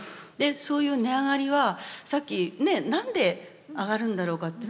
そういう値上がりはさっきね何で上がるんだろうかって。